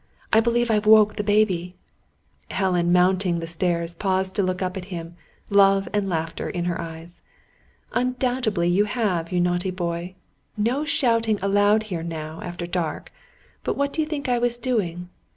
I believe I've woke the baby!" Helen, mounting the stairs, paused to look up at him, love and laughter in her eyes. "Undoubtedly you have, you naughty boy! No shouting allowed here now, after dark. But what do you think I was doing?